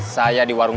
saya di warung